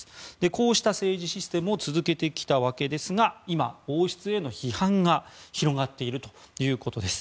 こうした政治システムを続けてきたわけですが今、王室への批判が広がっているということです。